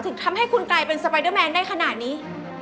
ทำให้คุณกลายเป็นสไปเดอร์แมนได้ขนาดนี้